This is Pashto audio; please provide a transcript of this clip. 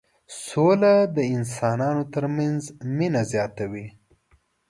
سوله د انسانانو ترمنځ مينه زياتوي.